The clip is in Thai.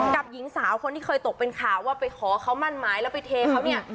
หญิงสาวคนที่เคยตกเป็นข่าวว่าไปขอเขามั่นหมายแล้วไปเทเขาเนี่ย